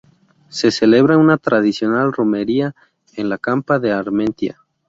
Se celebra una tradicional romería en la campa de Armentia.